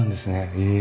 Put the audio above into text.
へえ。